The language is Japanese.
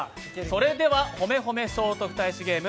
それでは「ほめほめ聖徳太子ゲーム」